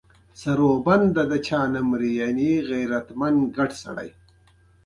ازادي راډیو د ورزش په اړه د فیسبوک تبصرې راټولې کړي.